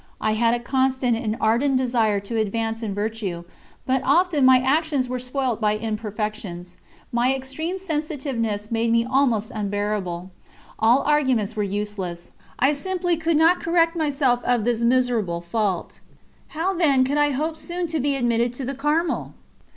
I had a constant and ardent desire to advance in virtue, but often my actions were spoilt by imperfections. My extreme sensitiveness made me almost unbearable. All arguments were useless. I simply could not correct myself of this miserable fault. How, then, could I hope soon to be admitted to the Carmel?